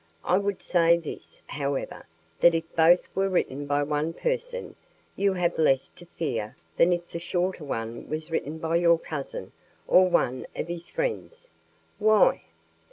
I would say this, however, that if both were written by one person, you have less to fear than if the shorter one was written by your cousin or one of his friends." "Why?"